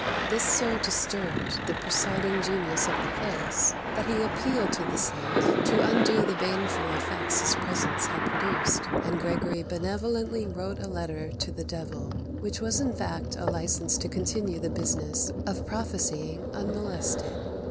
This so disturbed the presiding genius of the place, that he appealed to the saint to undo the baneful effects his presence had produced; and Gregory benevolently wrote a letter to the devil, which was in fact a license to continue the business of prophesying unmolested.